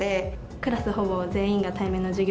クラスほぼ全員が対面の授業。